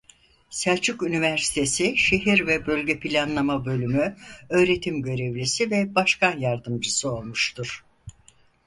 Selçuk Üniversitesi şehir ve bölge planlama bölümü öğretim görevlisi ve başkan yardımcısı olmuştur.